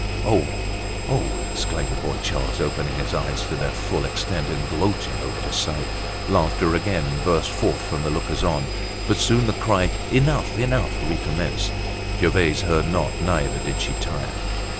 "Oh, oh!" exclaimed the boy Charles, opening his eyes to their full extent and gloating over the sight. Laughter again burst forth from the lookers on, but soon the cry, "Enough! Enough!" recommenced. Gervaise heard not, neither did she tire.